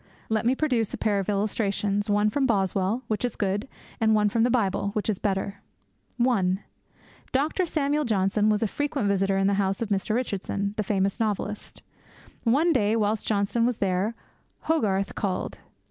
Let me produce a pair of illustrations, one from Boswell, which is good; and one from the Bible, which is better. (1) Dr. Samuel Johnson was a frequent visitor at the house of Mr. Richardson, the famous novelist. One day, whilst Johnson was there, Hogarth called.